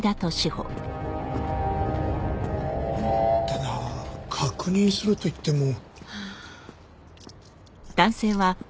ただ確認するといっても。